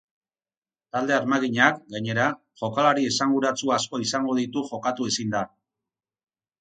Talde armaginak, gainera, jokalari esanguratsu asko izango ditu jokatu ezinda.